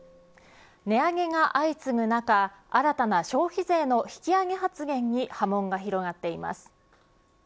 値上げが相次ぐ中新たな消費税の引き上げ発言に波紋が広がっています。